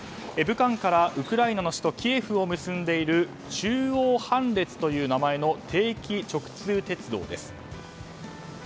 武漢から、ウクライナの首都キエフを結んでいる中欧班列という名前の定期直通鉄道です。